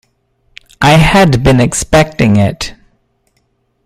I had been expecting it.